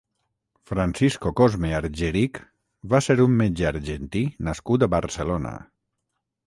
Francisco Cosme Argerich va ser un metge argentí nascut a Barcelona.